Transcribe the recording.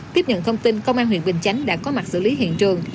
tiếp nhận thông tin công an huyện bình chánh đã có mặt xử lý hiện trường